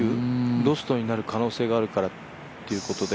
ロストになる可能性になるから、ということで？